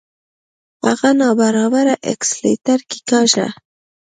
هغه ناببره اکسلېټر کېکاږه.